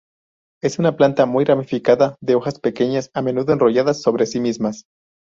Es una planta muy ramificada de hojas pequeñas a menudo enrolladas sobre sí mismas.